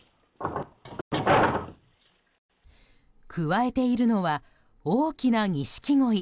くわえているのは大きなニシキゴイ。